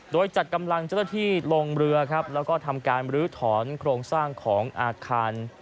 โดยจัดกำลังเจ้าหน้าที่ลงเรือครับแล้วก็ทำการบรื้อถอนโครงสร้างของอาคาร